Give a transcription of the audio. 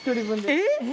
えっ！